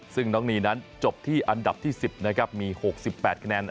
ซึ่งน้องนีนั้นจบที่อันดับที่๑๐นะครับมี๖๘คะแนน